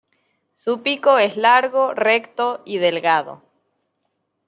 Su pico es largo, recto y delgado.